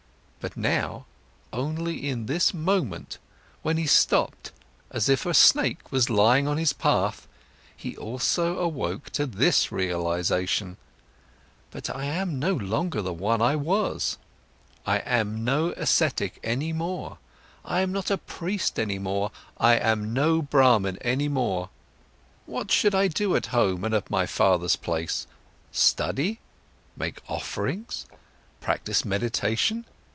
But now, only in this moment, when he stopped as if a snake was lying on his path, he also awoke to this realization: "But I am no longer the one I was, I am no ascetic any more, I am not a priest any more, I am no Brahman any more. Whatever should I do at home and at my father's place? Study? Make offerings? Practise meditation?